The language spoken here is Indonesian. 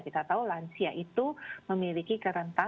kita tahu lansia itu memiliki kerentuhan ya